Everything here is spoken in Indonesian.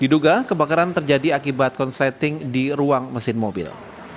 diduga kebakaran terjadi akibat konsleting di ruang mesin mobil